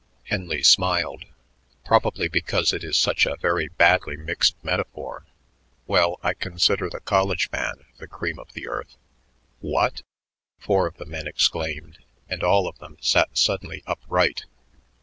Henley smiled. "Probably because it is such a very badly mixed metaphor. Well, I consider the college man the cream of the earth." "What?" four of the men exclaimed, and all of them sat suddenly upright.